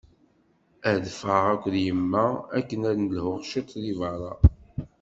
Ad ffɣeɣ akked yemma akken ad nelḥu ciṭ deg berra.